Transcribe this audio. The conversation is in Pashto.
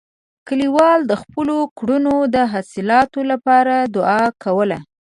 کلیوال د خپلو کروندو د حاصلاتو لپاره دعا کوله.